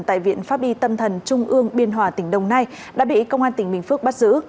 tại viện pháp y tâm thần trung ương biên hòa tỉnh đồng nai đã bị công an tỉnh bình phước bắt giữ